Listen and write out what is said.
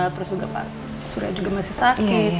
terus juga pak suri yang juga masih sakit ya